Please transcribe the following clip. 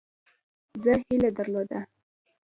زه هیله درلوده.